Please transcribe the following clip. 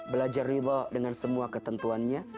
belajar ridho dengan semua ketentuannya